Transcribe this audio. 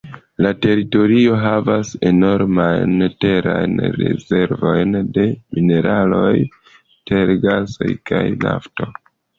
La teritorio havas enormajn terajn rezervojn de mineraloj, tergaso kaj nafto.